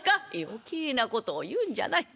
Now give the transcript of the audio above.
「余計なことを言うんじゃない。